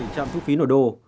bảy mươi bảy trạm thu phí nội đô